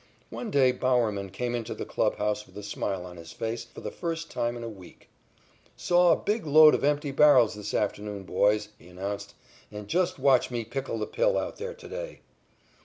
One day Bowerman came into the clubhouse with a smile on his face for the first time in a week. "Saw a big load of empty barrels this afternoon, boys," he announced, "and just watch me pickle the pill out there to day."